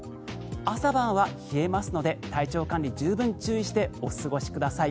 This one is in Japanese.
朝晩は冷えますので体調管理に十分注意してお過ごしください。